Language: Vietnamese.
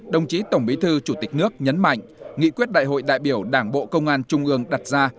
đồng chí tổng bí thư chủ tịch nước nhấn mạnh nghị quyết đại hội đại biểu đảng bộ công an trung ương đặt ra